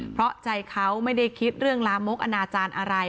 เพราะใจเขาไม่ได้คิดเรื่องลามกอนาจารย์อะไร